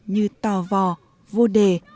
như tò vò vô đề